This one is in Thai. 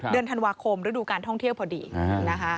เดือนธันวาคมฤดูการท่องเที่ยวพอดีนะคะ